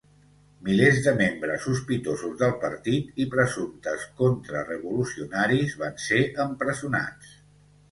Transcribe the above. Milers de membres sospitosos del partit i presumptes contrarevolucionaris van ser empresonats.